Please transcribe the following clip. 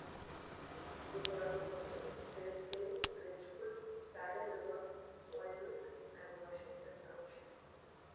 The borough borders Hillsdale, Ridgewood, Saddle River, Waldwick, and Washington Township.